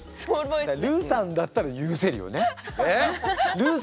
ルーさんだったら許せるよね。